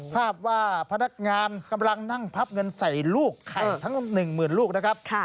ภาพว่าพนักงานกำลังนั่งพับเงินใส่ลูกไข่ทั้ง๑๐๐๐ลูกนะครับ